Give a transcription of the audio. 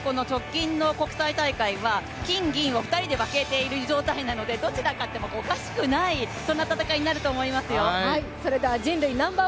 楽しみですね、過去３回直近の国際大会は金・銀を２人で分けている状態なので、どっちが勝ってもおかしくない戦いになると思いますよ。